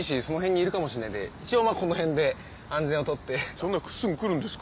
そんなすぐ来るんですか？